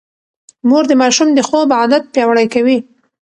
مور د ماشوم د خوب عادت پياوړی کوي.